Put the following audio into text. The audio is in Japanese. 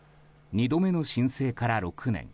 ２度目の申請から６年。